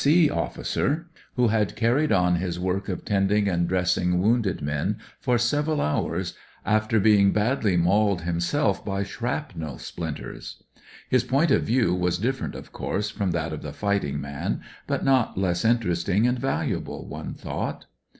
C. officer, who had carried on his work of tending and dressing wounded men for several hours, after being badly mauled himself by shrapnel splinters. WHAT EVE RY M.O. KNOWS 208 His point of view was different, of course, from that of the fighting man, but not less interesting and valuable, one thought.